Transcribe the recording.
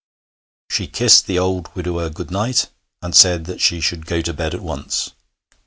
She kissed the old widower good night, and said that she should go to bed at once.